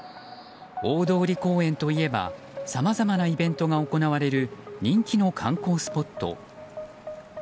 大通公園といえばさまざまなイベントが行われる人気の観光スポット。